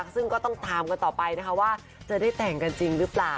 ซึ่งก็ต้องตามกันต่อไปนะคะว่าจะได้แต่งกันจริงหรือเปล่า